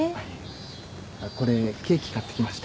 これケーキ買ってきました。